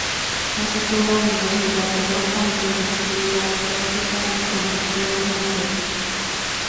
Asistió a la Universidad de Boston, donde estudió voz clásica y compitió en atletismo.